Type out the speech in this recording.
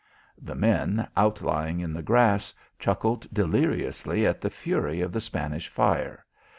The men, outlying in the grass, chuckled deliriously at the fury of the Spanish fire.